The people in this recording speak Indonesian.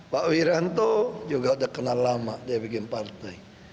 pak wiranto juga udah kenal lama dia bikin partai